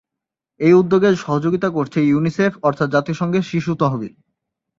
এ উদ্যোগে সহযোগিতা করছে ইউনিসেফ অর্থাৎ জাতিসংঘের শিশু তহবিল।